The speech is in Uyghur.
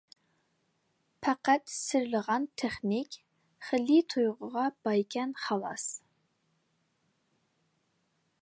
پەقەت سىرلىغان تېخنىك خېلى تۇيغۇغا بايكەن خالاس!